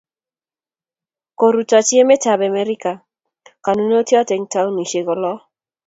Korutochi emet ap Amerika, kotononati eng' taonisyek lo.